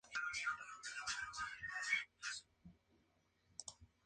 John Salvatore Romita, Jr.